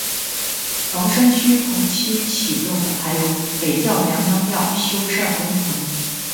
房山区同期启动的还有北窖娘娘庙修缮工程。